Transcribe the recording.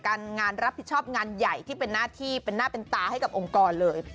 งานรับผิดชอบงานใหญ่ที่เป็นหน้าที่เป็นหน้าเป็นตาให้กับองค์กรเลย